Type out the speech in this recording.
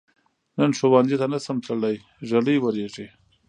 نن ښؤونځي ته نشم تللی، ږلۍ وریږي.